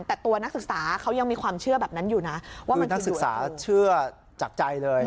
แต่ตัวนักศึกษาเขายังมีความเชื่อแบบนั้นอยู่นะว่ามันเป็นนักศึกษาเชื่อจากใจเลย